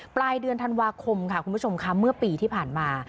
ปลายเดือนธันวาคมค่ะคุณผู้ชมค่ะเมื่อปีที่ผ่านมา